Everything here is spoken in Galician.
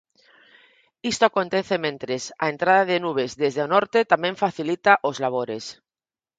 Isto acontece mentres a entrada de nubes desde o norte tamén facilita os labores.